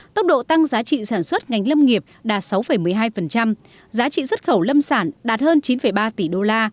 tốc độ tăng giá trị sản xuất ngành lâm nghiệp đạt sáu một mươi hai giá trị xuất khẩu lâm sản đạt hơn chín ba tỷ đô la